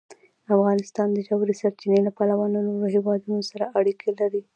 افغانستان د ژورې سرچینې له پلوه له نورو هېوادونو سره اړیکې لري.